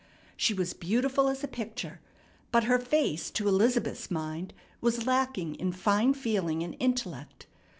She was beautiful as a picture; but her face, to Elizabeth's mind, was lacking in fine feeling and intellect.